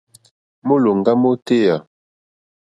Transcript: Mólòŋɡá mótéyà.